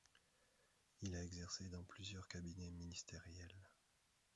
Il a exercé dans plusieurs cabinets ministériels.